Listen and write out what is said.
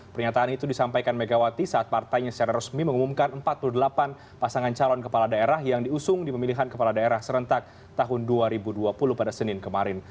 pernyataan itu disampaikan megawati saat partainya secara resmi mengumumkan empat puluh delapan pasangan calon kepala daerah yang diusung di pemilihan kepala daerah serentak tahun dua ribu dua puluh pada senin kemarin